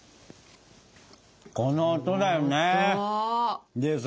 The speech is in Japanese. この音だよね。